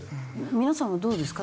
皆さんはどうですか？